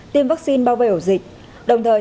tiêm vaccine bao vây ổ dịch đồng thời